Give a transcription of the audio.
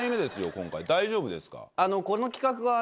今回大丈夫ですか？